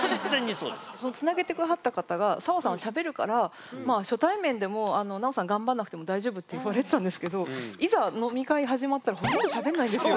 そのつなげて下さった方が澤さんはしゃべるからまあ初対面でも奈緒さん頑張んなくても大丈夫って言われてたんですけどいざ飲み会始まったらそうなんだ。